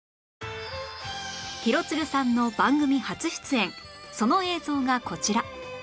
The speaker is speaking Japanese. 廣津留さんの番組初出演その映像がこちら